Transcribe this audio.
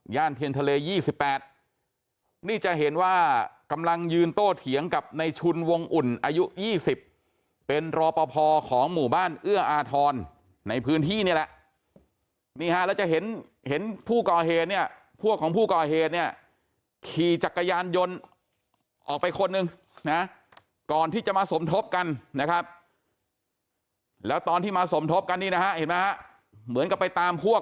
เทียนทะเล๒๘นี่จะเห็นว่ากำลังยืนโต้เถียงกับในชุนวงอุ่นอายุ๒๐เป็นรอปภของหมู่บ้านเอื้ออาทรในพื้นที่นี่แหละนี่ฮะแล้วจะเห็นเห็นผู้ก่อเหตุเนี่ยพวกของผู้ก่อเหตุเนี่ยขี่จักรยานยนต์ออกไปคนนึงนะก่อนที่จะมาสมทบกันนะครับแล้วตอนที่มาสมทบกันนี่นะฮะเห็นไหมฮะเหมือนกับไปตามพวก